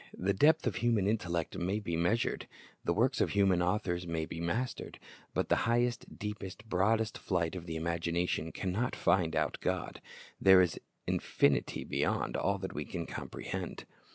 The depth of human intellect may be measured; the works of human authors may be mastered; but the highest, deepest, broadest flight of the imagination can not find out God. There is infinity beyond all that we can comprehend.